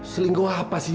selingkuh apa sih